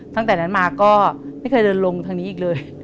ตั้งแต่นั้นมาก็ไม่เคยเดินลงทางนี้อีกเลย